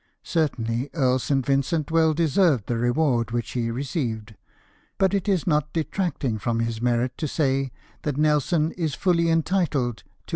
Certainly Earl St. Vincent well deserved the reward which he received ; but it is not detracting from his merit to say that Nelson is fully entitled to r.